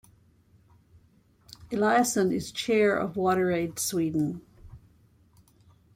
Eliasson is Chair of WaterAid Sweden.